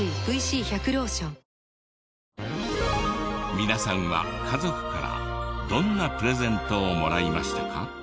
皆さんは家族からどんなプレゼントをもらいましたか？